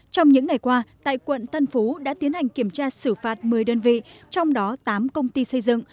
trong những ngày qua tại quận tân phú đã tiến hành kiểm tra xử phạt một mươi đơn vị trong đó tám công ty xây dựng